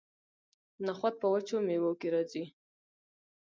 نخود په وچو میوو کې راځي.